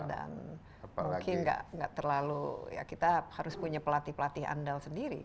dan mungkin gak terlalu ya kita harus punya pelatih pelatih andal sendiri